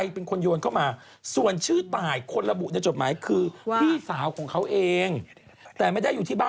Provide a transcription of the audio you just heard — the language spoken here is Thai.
เรียกให้เห็นไอ้เด้านางรีวิวอาหาร